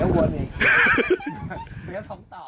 แบบนี้